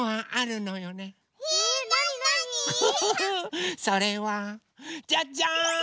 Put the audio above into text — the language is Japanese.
ウフフフそれはじゃじゃん！